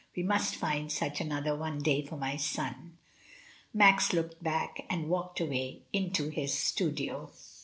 We must find such another, one day, for my son." Max looked black, and walked away into his studio.